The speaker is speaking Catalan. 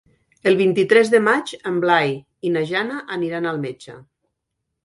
El vint-i-tres de maig en Blai i na Jana aniran al metge.